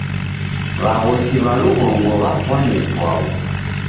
W'aghosi w'a lughongo w'apwane ipwau.